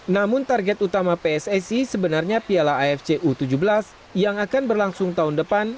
namun target utama pssi sebenarnya piala afc u tujuh belas yang akan berlangsung tahun depan